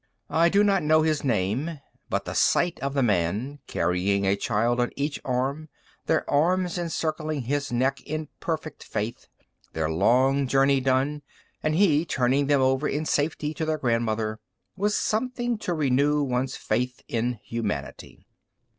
I do not know his name, but the sight of the man, carrying a child on each arm, their arms encircling his neck in perfect faith, their long journey done, and he turning them over in safety to their Grandmother, was something to renew one's faith in humanity.